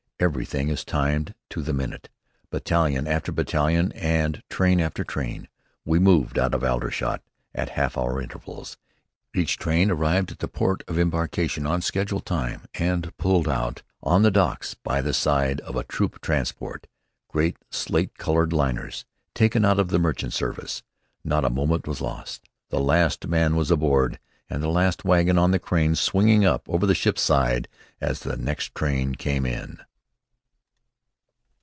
Everything is timed to the minute. Battalion after battalion and train after train, we moved out of Aldershot at half hour intervals. Each train arrived at the port of embarkation on schedule time and pulled up on the docks by the side of a troop transport, great slate colored liners taken out of the merchant service. Not a moment was lost. The last man was aboard and the last wagon on the crane swinging up over the ship's side as the next train came in.